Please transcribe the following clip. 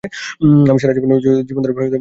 আমি সারা জীবন ধরে ঠোকর খেয়ে যাচ্ছি।